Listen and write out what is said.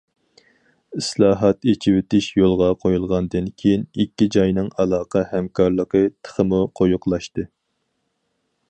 ئىسلاھات، ئېچىۋېتىش يولغا قويۇلغاندىن كېيىن، ئىككى جاينىڭ ئالاقە، ھەمكارلىقى تېخىمۇ قويۇقلاشتى.